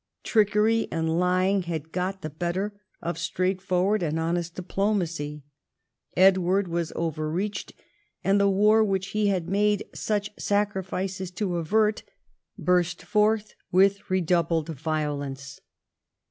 Trickery and lying had got the better of straightforward and honest diplomacy. Edward was over reached, and the war which he had made such sacrifices to avert burst forth with redoubled violence.